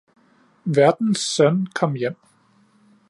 Værtens Søn kom hjem.